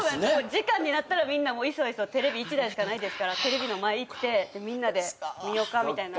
時間になったらみんないそいそテレビ一台しかないですからテレビの前行ってみんなで見よかみたいな。